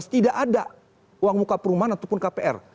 tidak ada uang muka perumahan ataupun kpr